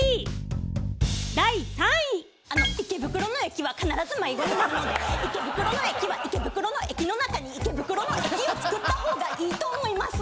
あの池袋の駅は必ず迷子になるので池袋の駅は池袋の駅の中に池袋の駅を作った方がいいと思います。